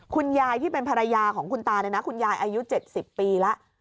ที่เป็นภรรยาของคุณตาเนี่ยนะคุณยายอายุ๗๐ปีแล้ว